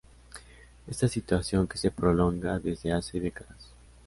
esta situación que se prolonga desde hace décadas